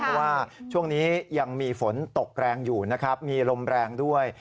เพราะว่าช่วงนี้ยังมีฝนตกแรงอยู่นะครับมีลมแรงด้วย